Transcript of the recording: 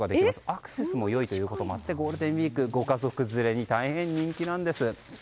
アクセスも良いということもあってゴールデンウィークご家族連れに大変人気なんです。